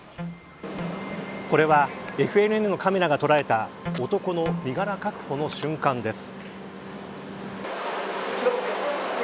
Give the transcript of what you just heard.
これはＦＮＮのカメラが捉えた男の身柄確保の瞬間です。